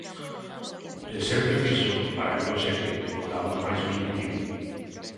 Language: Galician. De ser preciso, para que non seque, botamos máis viño tinto.